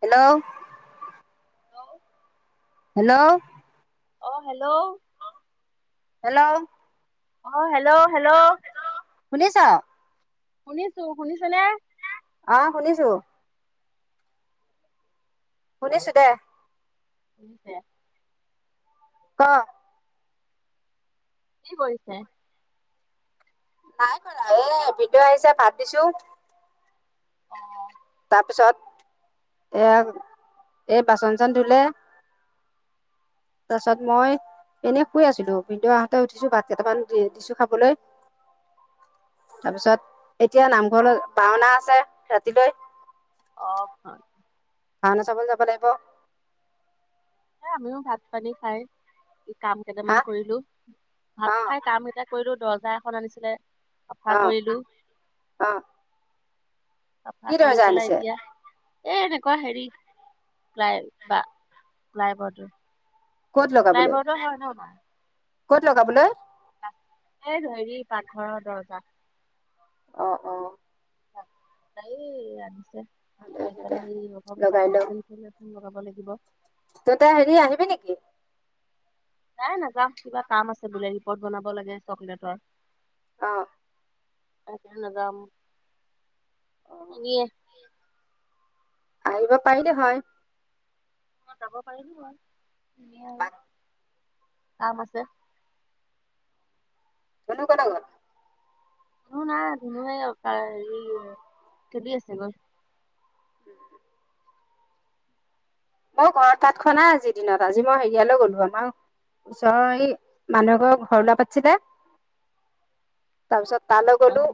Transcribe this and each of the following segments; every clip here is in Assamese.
হেল্ল'। Hello hello. অ হেল্ল'। হেল্ল'। অ হেল্ল', হেল্ল'। শুনিছ? শুনিছো, শুনিছ নে? অ শুনিছো। শুনিছো দে। উ ছে ক কি কৰিছে নাই কৰা এ ভিনদেউ আহিছে ভাত দিছো অহ পিছত এই এই বাচন চাচন ধুলে তাছত মই এনেই শুই আছিলো ভিনদেউ আহঁতো উঠিছো ভাত কেইটামান দি দিছো খাবলৈ তাপিছত এতিয়া নামঘৰলৈ ভাওনা আছে ৰাতিলৈ অহ খন ভাওনা চাব যাব লাগিব এ আমিও ভাত পানী খাই কাম হা কেইটামান কৰিলো ভাত অ খাই কাম কেইটা কৰিলো দৰ্জা এখন আনিছিলে চাফা অ কৰিলো অ চাফা কি কৰি দৰ্জা পেলাই আনিছে এতিয়া এ এনেকুৱা হেৰি প্লাই বা প্লাইবৰ্ডৰ ক'ত লগাবলৈ কত লগাবলৈ এই হেৰি পাকঘৰৰ দৰ্জা অহ অহ তাই আনিছে ভালে হৈছে দে এপেনাৰি ৰভাৱো চাফা চিকুণ কৰি আছে লগাব লাগিব ত তই হেৰি আহিবি নিকি তাই নাযাম কিবা কাম আছে বোলে ৰিপৰ্ট বনাব লাগে চকলেটৰ অহ তাকে নাজাম অ [unintelligible] আহিব পাৰিলে হয় অহ যাব পাৰি মই এনে [unintelligible] এপাক কাম আছে। ধুনু কলৈ গল? ধুনু নাই ধুনু সেই তাৰ হেৰি খেলি আছে গৈ [unintelligible] মই ঘৰত ভাত খোৱা নাই আজিৰ দিনত আজি মই হেৰিয়ালৈ গ'লো আমাৰ ওচৰৰ এই মানুহ এঘৰৰ ঘৰ ওলোৱা পাতিছিল তা-পাছত তাৰলৈ অ গলো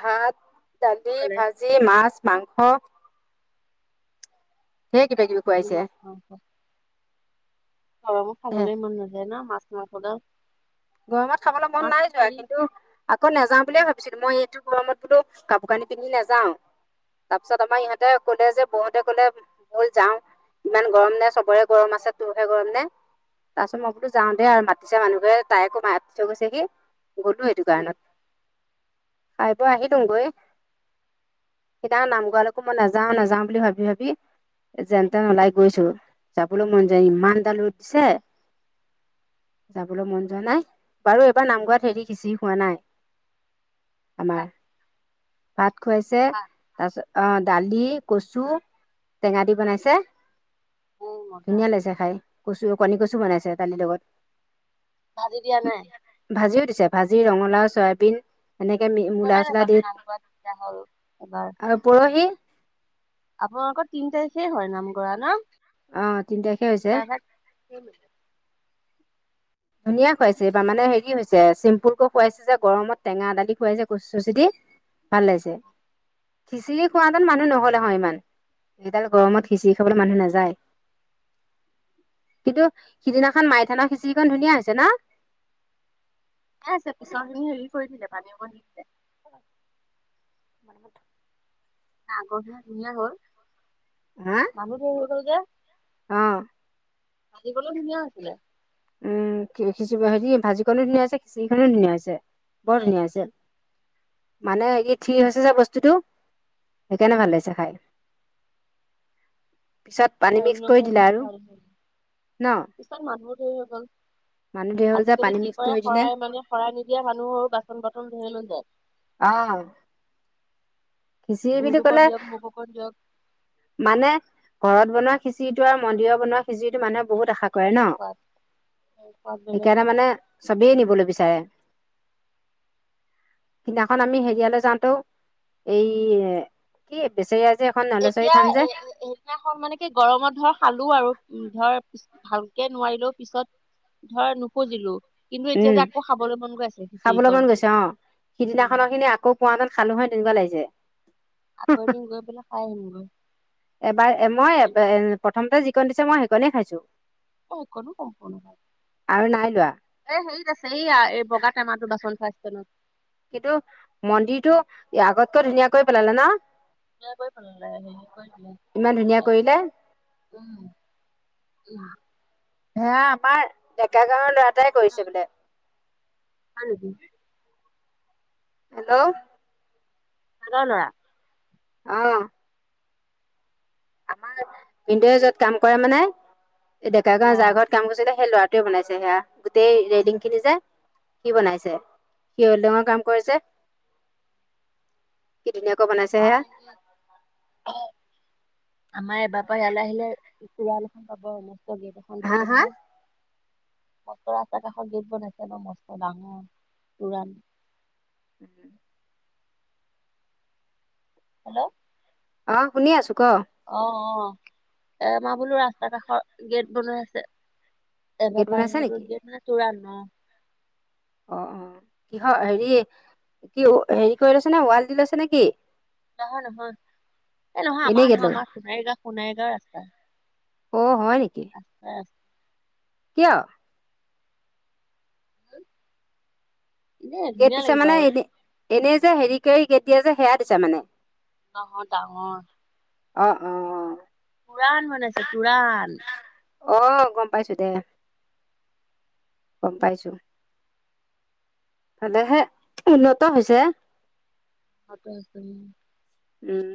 ভাত দালি পালে ভাজি মাছ মাংস ঢেৰ কিবা দালি কিবি ভাজি খুৱাইছে মাছ মাংস গৰমত হে খাবলৈ মন নাযায় ন মাছ মাংসগাল গৰমত খাবলৈ মন নাই যোৱা কিন্তু আকৌ নাযাওঁ বুলিয়ে ভাবি বিছো এইটো গৰমত বোলো কাপোৰ কানি পিন্ধি নাযাওঁ তাৰপিছত আমাৰ ইহঁতে কলে যে বৌহতে কলে বৌল যাওঁ ইমান গৰম নে চবৰে গৰম আছে তোৰহে গৰম নে তাৰছত মই বোলো যাওঁ দে আৰু মাতিছে মানুহঘৰে তাই আকৌ মাতি থৈ গৈছেহি গ'লো এইটো উম কাৰণত খাই বৈ আহিলোংগৈ সেইদিনাখন নাম গোৱালৈকো মই নাযাও নাযাও বুলি ভাবি ভাবি এ যেন তেন ওলাই গৈছো যাবলৈ মন যোৱা নাই ইমানডাল ৰ'দ দিছে যাবলৈ মন যোৱা নাই বাৰু এবাৰ নামঘৰত হেৰি খিছিৰি খোৱা নাই আমাৰ ভাত ভাত খুৱাইছে ভাত তাপিছত অ দালি কচু টেঙা দি বনাইছে উম মজা ধুনীয়া লাগিছে খাই কচু কণী কচু বনাইছে দালিৰ লগত ভাজি দিয়া নাই ভাজিও দিছে ভাজি ৰঙালাও চয়াবিন এনেকে মূলা গমেই চোলা নাপালো দি নাম কৰা তেতিয়া হ'ল এবাৰ আৰু পৰহি আপোনালোকৰ তিন তাৰিখে হয় নামগৰা না? অ তিন তাৰিখে হৈছে। ঠিকে ধুনীয়া খুৱাইছে এইবাৰ মানে হেৰি হৈছে চিম্পুলকৈ খুৱাইছে যে গৰমত টেঙা দালি খুৱাইছে কচু চচো দি ভাল লাগিছে, খিচিৰি খোৱা হেঁতেন মানুহ নহলে হয় ইমান। এডাল গৰমত খিচিৰি খাবলৈ মানুহ নাযায়। কিন্তু সিদিনাখন মাই থানৰ খিচিৰিখন ধুনীয়া হৈছে ন? থিকে আছে, পিছৰ খিনি হেৰি কৰিছিলে পানী অকণ দি দিলে। [unintelligible] আগৰখিনি ধুনীয়া হল, হা মানুহ ধেৰ হৈ গল যে অ। ভাঁজিকনো ধুনীয়া হৈছিলে। উম খিচ হেৰি ভাজিখনো ধুনীয়া হৈছে খিচিৰিখনো ধুনীয়া হৈছে বৰ ধুনীয়া হৈছে। মানে ই ঠিৰ হৈছে যে বস্তুটো, সেইকাৰণে ভাল লাগিছে খাই। পিছত পানী মিক্স কৰোণা কৰি দিলা আৰু। ন? সেই হৈ গ'ল। মানুহ ধেৰ হ'ল যে আজিকালি পানী কি মিক্স কৰে কৰি দিলে শৰাই মানে শৰাই নিদিয়া মানুহৰো বাচন বৰ্তন ধেই লৈ যায় অ। খিচিৰি মোক বুলি অকণ কলে, দিয়ক মোক অকণ দিয়ক মানে ঘৰত বনোৱা খিচিৰিটো আৰু মন্দিৰৰ বনোৱা খিচিৰিটো মানুহে বহুত আশা কৰে ন, সিহঁতৰ সোৱাদ সোৱাদ বেলেগ সেইকাৰণে হয় মানে চবেই নিবলৈ বিচাৰে। সিনাখন আমি হেৰিয়ালৈ যাওঁতেও এইএ কি বেছে এতিয়া, এ সেইদিনাখন মানে কি, গৰমত ধৰ খালো আৰু। উ, ধৰ ভালকে নোৱাৰিলেও পিছত ধৰ নুখুজিলো। কিন্তু এতিয়া উম যে আকৌ খাবলৈ মন গৈ আছে খাবলৈ মন খিচিৰিকণ। গৈছে অ উম সিদিনাখনৰ খিনি আকৌ পোৱাহেতেন খালো হয় তেনেকুৱা লাগিছে আকৌ এদিন গৈ পেলাই খাই আহিম গৈ। এবাৰ মই প্ৰথমতে যিকণ দিছে মই সেইকনেই খাইছো। অকণো পকনো। আৰু নাই লোৱা এ হেৰিত আছে এইয়া এই বগা টেমাটো বাচন থোৱা স্তেনত কিন্তু মন্দিৰটো আগতকৈ ধুনীয়া কৰি পেলালে ন? ধুনীয়া কৰি পেলালে, ধুনীয়া কৰি দিলে, ইমান ধুনীয়া কৰিলে উম। উম। সেইয়া আমাৰ ডেকা গাঁৱৰ ল'ৰা এটাই কৰিছে হয় বোলে। নেকি? হেল্ল'। [unintelligible] লৰা অ। আমাৰ মিন্টুয়ে যত কাম কৰে মানে, এ ডেকা গাঁৱত যাৰ অ', ঘৰত কাম কৰিছিলে সেই ল'ৰা বনাইছে সেয়া গোটেই ৰেলিং খিনি যে সি বনাইছে, সি ৱেল্ডিংৰ কাম কৰে যে কি ধুনীয়াকৈ বনাইছে সেয়া। আমাৰ এবাৰ পৰা ইয়ালৈ আহিলে, এখন [unintelligible] পাব গেট এখন হা দিছে হা নহয়। [unintelligible] ৰাস্তাৰ কাষৰ গেট বনাইছে ন মস্ত ডাঙৰ তুৰাণ উম। হেল্ল'। অ শুনি আছোঁ। অ অ। এ আমাৰ বোলো ৰাস্তা কাষৰ গেট বনাই আছে। গেট এবাৰ বনাইছে নেকি পাৰিলে [unintelligible] অ অ কিহৰ হেৰি কি হেৰি কৰি লৈছে নে ৱাল দি লৈছে নে কি? নহয় নহয় এই নহয় এনেই আমাৰ গেট নহয় লগাই আমাৰ সোণাৰীগাঁও সোণাৰীগাঁও ৰাস্তা। অ হয় নেকি [unintelligible] কিয়? এনে গেট ধুনীয়া দিছে লাগিব মানে আৰু এনে এনেই যে হেৰি কৰি গেট দিয়া যে সেয়া দিছে মানে। নহয় ডাঙৰ। অ' অ'। তোৰাণ বনাইছে তোৰাণ। অ' গম পাইছো দে, গম পাইছো। ভালেহে উন্নত হৈছে। হাতৰ‌ ইচপেলিং। উম।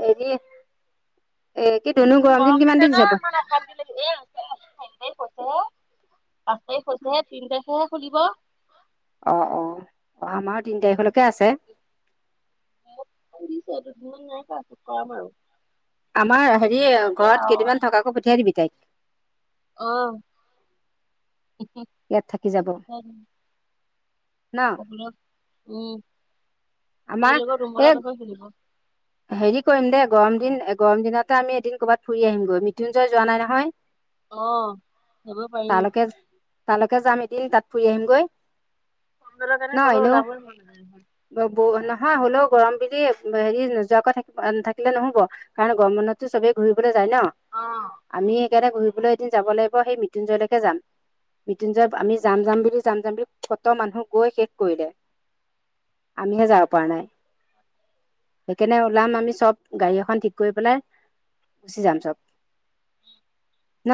হেৰি এ কি ধনু গৰম দিন দিছে কিমান ন দিন যাব? ইমান অশান্তি লাগি এ কৈছে হে পাঁচ তাৰিখ হৈছেহে তিনি তাৰিখেহে খুলিব। অ অ অহা মাহৰ তিন তাৰিখলৈকে আছে। মোক সুধিছে এইটো [unintelligible] নাই কৰা [unintelligible] কৰাম আৰু। আমাৰ হেৰি কৈছে নাই দিয়া ঘৰত আৰু। কেইদিমান থকাকে পঠিয়াই দিবি তাইক। অ' ইয়াত থাকি যাব [unintelligible] ন [unintelligible] উম আমাৰ এইৰ এই লগত [unintelligible] হেৰি কৰিম দে গৰম দিন গৰম দিনতে আমি এদিন ক'বাত ফুৰি আহিম গৈ মৃত্যুঞ্জয় যোৱা নাই নহয়। অহ যাব পাৰি। তালৈকে তালৈকে যাম এদিন তাত ফুৰি আহিমগৈ। [unintelligible] ব নহয় হ'লেও গৰম বুলি হেৰি নোযো যোৱাকৈ থাকিব থাকিলে নহ'ব কাৰণ গৰম বন্ধতটো চবে ঘূৰিবলৈ যায় ন! অ' আমি ইয়াতে ঘূৰিবলৈ এদিন যাব লাগিব সেই মৃত্যুঞ্জয়লৈকে যাম। মৃত্যুঞ্জয়ত আমি যাম যাম বুলি যাম যাম বুলি ক'ত' মানুহ গৈ শেষ কৰিলে। আমিহে যাব পাৰা নাই। সেইকাৰণে ওলাম আমি চব গাড়ী এখন ঠিক কৰি পেলাই গুচি যাম চব। ন?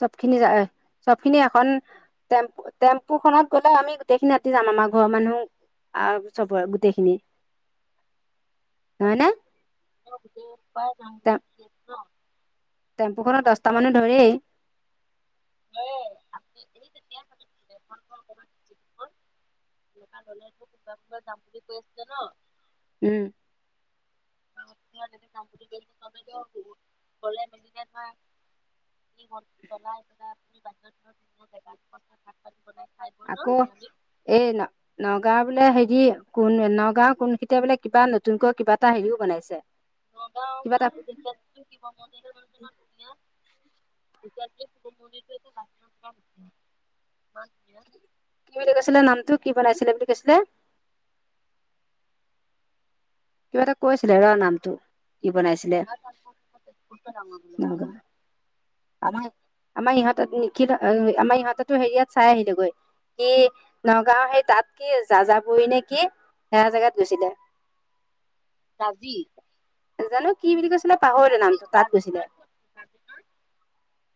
চব খিনি যাই চব খিনি এখন টেম্প-টেম্পু খনত গ'লে আমি গোটেইখিনি আতি যাম। আমাৰ ঘৰৰ মানুহ আহা বছৰৰ পৰা গোটেইখিনি। নহয় নে? [unintelligible] টেম্পু খনত দছটা মানুহ ধৰেই। অহ [unintelligible] [unintelligible] যাম বুলি কৈ আছিলে ন? উম। [unintelligible] [unintelligible] বৈ লৈ আকৌ নিৰামিষ এ ন নগাঁও বোলে হেৰি কোন নঁগাও কোনখিনিতে বোলে কিবা নতুনকৈ কিবা এটা হেৰিও বনাইছে। কিবা এটা বনাও [unintelligible] এতিয়াটো [unintelligible] কি বুলি কৈছিলে নামটো, কি বনাইছিলে বুলি কৈছিলে? কিবা এটা কৈছিলে ৰ নাম তো কি বনাইছিলে? নগাঁও কালপোৱা তেজপুৰতকৈ ডাঙৰ বোলে নাম আমাৰ -আমাৰ ইহঁত নিখিল আমাৰ ইহঁতেটো হেৰিয়াত চাই আহিলেগৈ কি নগাঁও সেই তাত কি যাযাবৰী নে কি সেয়া জাগাত গৈছিলে। [inaudible] ৰাজি জানো কি বুলি কৈছিলে পাহৰিলো ৰাজি নামটো, তাত গৈছিলে। ৰাজিমাৰ ক'ত ৰাজিমাৰ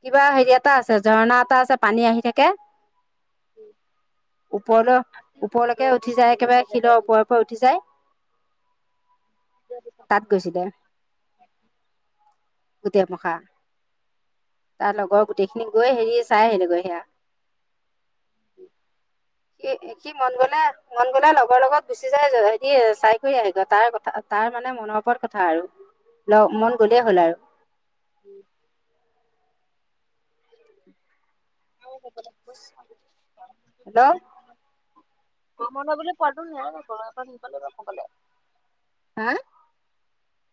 কিবা হেৰি এটা আছে ঝৰ্ণা এটা আছে পানী আহি থাকে। ওপৰলৈ আছেও আমাৰ ওপৰলৈকে ইয়াতে উঠি যায় চাবলগীয়া একেবাৰে জেগা শিলৰ গৰম ওপৰে ওপৰে পৰা উঠি যায়। তাত গৈছিলে। গোটেমখা। তাৰ লগৰ গোটেইখিনি গৈ হেৰি চাই আহিলেগৈ সেয়া। [inaudible] সি সি মন গলে, মন গলে লগৰ লগত গুচি যায়। হেৰি চাই কৰি আহি গে তাৰ কথা। তাৰ মানে মনৰ ওৰত কথা আৰু মন গ'লেই হ'ল আৰু। [unintelligible] [unintelligible] হেল্লও। গৰম বন্ধ বুলি ফুৱাটো নাই। [unintelligible] হা?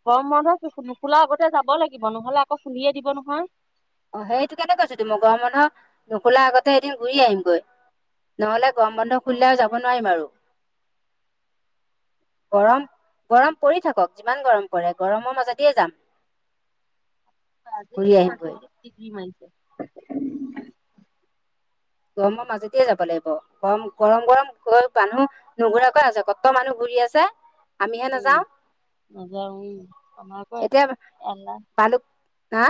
গৰম বন্ধ নোখোলা আগতে যাব লাগিব। নহলে আকৌ খুলিয়ে দিব নহয়। অ সেইটোকেটো কৈছোটো মই। গৰম বন্ধ নুখোলা আগতে এদিন ঘূৰি আহিমগৈ। নহলে গৰম বন্ধ খুলিলে আৰু যাব নোৱাৰিম আৰু। গৰম, গৰম পৰি থাকক যিমান গৰম পৰে। গৰমৰ মাজতেই যাম। [inaudible] আজি ঘূৰি থাৰ্টি আহিমগৈ চিক্স ডিগ্ৰী মাৰিছে। গৰমৰ মাজতে যাব লাগিব। গৰম, গৰম গৰম কৈ মানুহ নুঘুৰাৰাকৈ আছে? ক'ত মানুহ ঘূৰি ৰি আছে। আমিহে উম, নাযাওঁ মজা উম। [unintelligible] এলাহ না।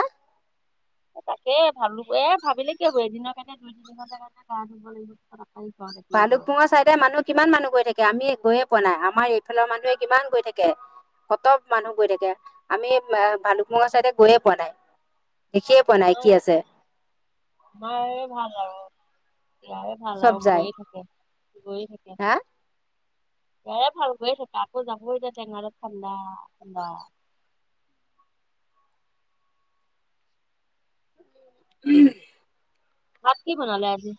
এ তাকে ঘামিব এ ঘামিলে কি হ'ব এদিনৰ কাৰণে দুই তিনঘন্টাৰ কাৰণে গা ধুব লাগিব আকৌ ঘৰত একেই গৰম। ভালুকপুঙৰ চাইডে মানুহ কিমান মানুহ গৈ থাকে আমি গৈয়ে পোৱা না, আমাৰ এইফালৰ মানুহে কিমান গৈ থাকে। কত মানুহ গৈ থাকে। আমি ভালুকপুঙৰ চাইডে গৈয়ে পোৱা নাই। দেখিয়ে পোৱা নাই কি আছে। তোমাৰে ভাল আৰু। ইয়াৰে ভাল চব আৰু যায় গৈয়ে থাকে, গৈয়ে থাকে। হা ইয়াৰে ভাল গৈয়ে থাকে। আকৌ যাব এতিয়া টেঙাৰত ঠাণ্ডা ঠাণ্ডা। উ। ভাত কি বনালে আজি?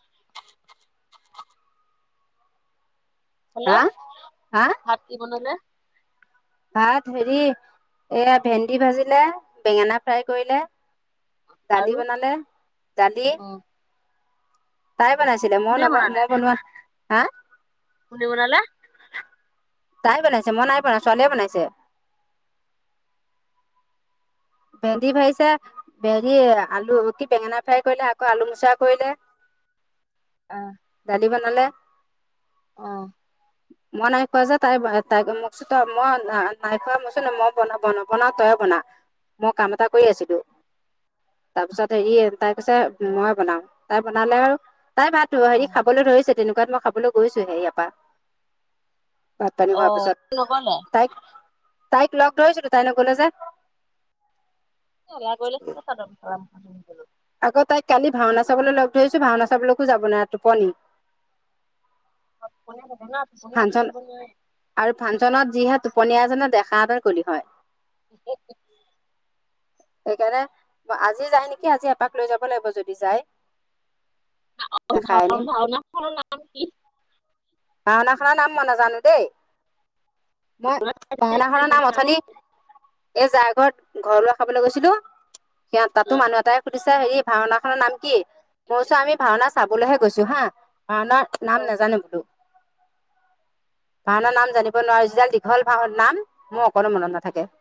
হেল্ল, হা হা ভাত কি বনালে? ভাত হেৰি এয়া ভেন্দি ভাজিলে, বেঙেনা ফ্ৰাই কৰিলে। আৰু দালি বনালে, দালি অ' তাই বনাইছিলে। মই কোনে নব বনালে মই বনোৱা, হা? কি বনালে? তাই বনাইছে, মই নাই বনোৱা। ছোৱালীয়ে বনাইছে। ভেন্দি ভাজিছে, ভেন্দ আলু কি বেঙেনা ফ্ৰাই কৰিলে, আকৌ আলু মোচা কৰিলে। [inaudible] আহ। কি বনালে? অ। মই নাই খোৱা যে। তাই তাই মোকচো তই মই নাই খোৱা মইচোন মই ব বনা তই বনা মই কাম এটা কৰি আছিলো। তাৰপিছত হেৰি তাই কৈছে মই বনাও। তাই বনালে আৰু। তাই ভাতো হেৰি অ' খাবলৈ ধৰিছে তেনেকুৱাত মই খাবলৈ গৈছোহে ইয়াৰ পা ভাত পানী হোৱাৰ অ' নগলে পিছত তাইক তাইক লগ ধইছিলো তাই নেগ'লে যে যোগা কৰি লৈছে নো চাদৰ মেখেলা [unintelligible] পিন্ধিবলৈ আকৌ তাইক কালি ভাওনা চাবলৈ লগ ধৰিছো ভাওনা চাবলৈকো যাব নোৱাৰে টোপনি। টোপনি ক্ষতি ফাংচন কৰিব নোৱাৰে আৰু ফাংচনত যিহে টোপনীয়া আছে নহয় দেখা হেতেন ক'লি হয়। [unintelligible] সেইকাৰণে আজি যাই নিকি আজি এপাক লৈ যাব লাগিব যদি যাই। অ আ ভাও ভাঁওনাখনৰ নাম কি? ভাঁওনা খনৰ নাম মই নাজানো দেই। মই ভাওনাখনৰ নাম ভাওনা অথনি এই যাৰ ঘৰত ঘৰ লোৱা খাবলৈ গৈছিলো সিয়া তাতো মানুহ এটাই সুধিছে হেৰি ভাওঁনা খনৰ নাম কি? মই কৈচো আমি ভাওনা চাবলৈহে গৈছো হা ভাওঁনা নাম নাজানো বোলো। ভাওঁনাৰ নাম জানিব নোৱাৰো যিহে দীঘল ভাওঁ নাম মোৰ অকণো মনত নাথাকে। [inaudible]